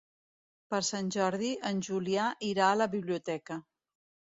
Per Sant Jordi en Julià irà a la biblioteca.